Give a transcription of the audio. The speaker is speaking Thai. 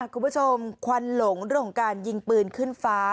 ควันหลงเรื่องของการยิงปืนขึ้นฟ้า